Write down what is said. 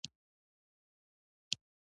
ښځه د ژوند ښکلا ده.